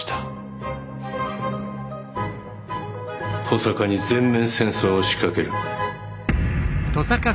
登坂に全面戦争を仕掛ける。